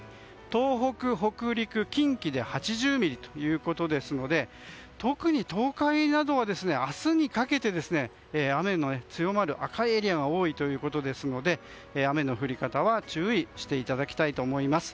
東北、北陸、近畿で８０ミリということですので特に東海などは明日にかけて雨の強まる赤いエリアが多いということですので雨の降り方は注意していただきたいと思います。